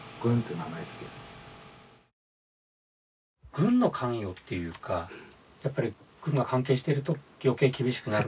軍の関与っていうかやっぱり軍が関係してると余計厳しくなると。